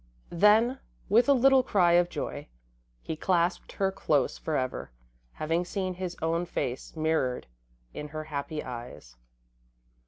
Then, with a little cry of joy, he clasped her close forever, having seen his own face mirrored in her happy eyes.